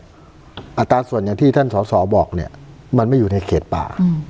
อัตราส่วนอย่างที่ท่านสอสอบอกเนี่ยมันไม่อยู่ในเขตป่า